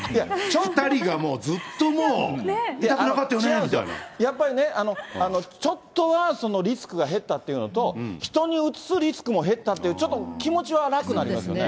２人がずっともう、違うの、やっぱりね、ちょっとはリスクが減ったっていうのと、人にうつすリスクも減ったっていう、ちょっと気持ちは楽になりますよね。